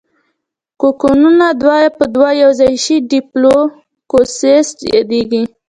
کوکونه دوه په دوه یوځای شي ډیپلو کوکس یادیږي.